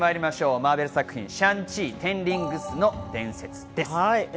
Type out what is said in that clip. マーベル作品『シャン・チー／テン・リングスの伝説』です。